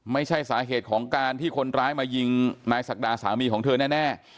ไม่ใช่สาเหตุของการที่คนร้ายมายิงนายศักดาสามีของเธอแน่